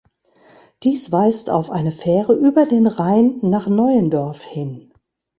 Dies weist auf eine Fähre über den Rhein nach Neuendorf hin.